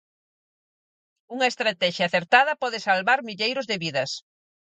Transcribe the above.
Unha estratexia acertada pode salvar milleiros de vidas.